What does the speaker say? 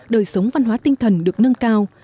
đời sống văn hóa tinh thần được nâng cao